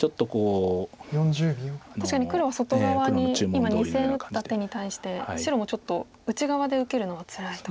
今２線打った手に対して白もちょっと内側で受けるのはつらいと。